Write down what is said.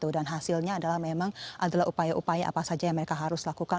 dan hasilnya adalah memang adalah upaya upaya apa saja yang mereka harus lakukan